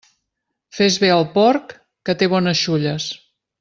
Fes bé al porc, que té bones xulles.